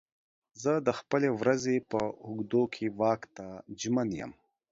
زه د خپلې ورځې په اوږدو کې واک ته ژمن یم.